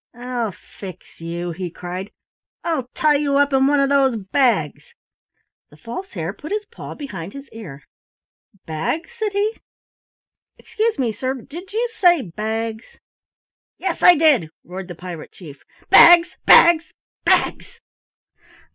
"I'll fix you," he cried, "I'll tie you up in one of those bags!" The False Hare put his paw behind his ear. "Bags?" said he. "Excuse me, sir, but did you say bags?" "Yes, I did," roared the Pirate Chief. "Bags! Bags! Bags!"